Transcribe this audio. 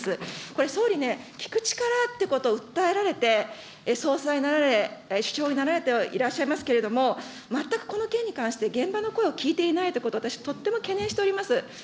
これ、総理ね、聞く力ということを訴えられて、総裁になられ、首相になられておりますけれども、全くこの件に関して、現場の声を聞いていないということ、私、とっても懸念しております。